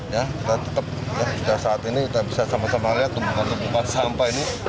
ya kita tetap ya kita saat ini bisa sama sama lihat tumbukan tempat sampah ini